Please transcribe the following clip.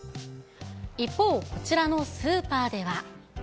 一方、こちらのスーパーでは。